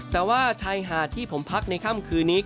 แต่ว่าชายหาดที่ผมพักในค่ำคืนนี้